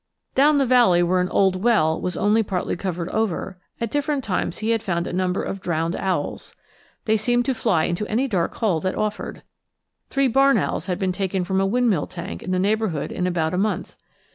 Down the valley, where an old well was only partly covered over, at different times he had found a number of drowned owls. They seemed to fly into any dark hole that offered. Three barn owls had been taken from a windmill tank in the neighborhood in about a month.